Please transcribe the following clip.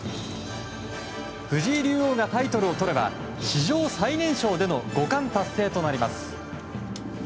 藤井竜王がタイトルをとれば史上最年少での五冠達成となります。